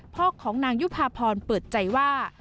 พ่อของนางยุภาพรเปิดใจว่า